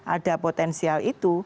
ada potensial itu